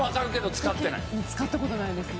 使った事ないですね。